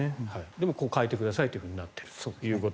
でも変えてくださいとなっていると。